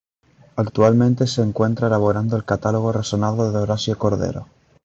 Actualmente se encuentra elaborando el catálogo razonado de Horacio Cordero.